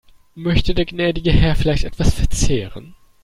Möchte der gnädige Herr vielleicht etwas verzehren?